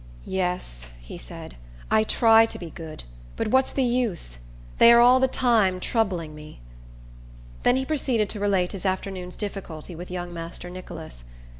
"Yes," he said, "I try to be good; but what's the use? They are all the time troubling me." Then he proceeded to relate his afternoon's difficulty with young master Nicholas.